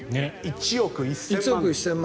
１億１０００万。